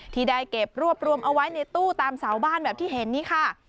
ที่ได้เก็บรวบรวมเอาไว้ในตู้ตามเสาบ้านแบบที่เห็นนี่ค่ะ